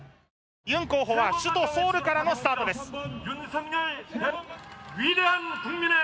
ユン候補は首都ソウルからのスタートです。